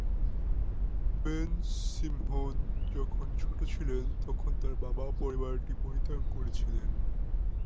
Ben-Simhon যখন ছোট ছিলেন তখন তার বাবা পরিবারটি পরিত্যাগ করেছিলেন।